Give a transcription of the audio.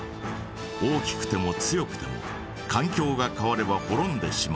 大きくても強くてもかん境が変わればほろんでしまう。